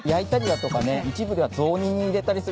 一部では雑煮に入れたりする方もいる。